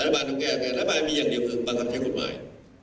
ระบาดต้องแก้ประหารระบาดมีอย่างเดียวคือบังคับที่คุณหมาย